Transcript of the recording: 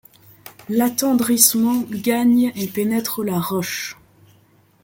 L'attendrissement gagne et pénètre la roche